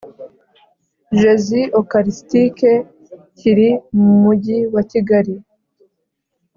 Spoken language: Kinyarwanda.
Jesus Eucharistique Kiri Mu Mugi Wa Kigali